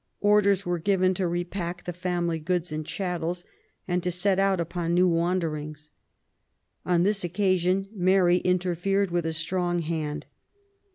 Orders were given to repack the family goods and chattels, and to set out upon new wanderings. On this occa sion, Mary interfered with a strong hand.